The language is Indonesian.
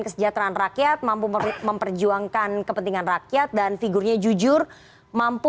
kesejahteraan rakyat mampu memperjuangkan kepentingan rakyat dan figurnya jujur mampu